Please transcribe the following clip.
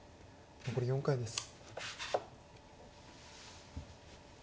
残り４回です。